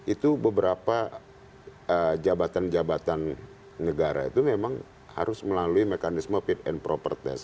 itu beberapa jabatan jabatan negara itu memang harus melalui mekanisme fit and proper test